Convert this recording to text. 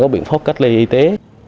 các biện pháp cách ly y tế